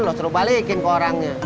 lo suruh balikin ke orangnya